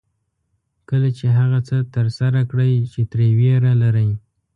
کله چې هغه څه ترسره کړئ چې ترې وېره لرئ.